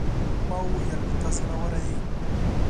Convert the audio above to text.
ما وويل: ته زړوره يې.